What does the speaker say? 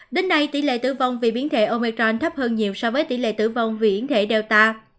đến nay tỷ lệ tử vong vì biến thể omechon thấp hơn nhiều so với tỷ lệ tử vong vì biến thể data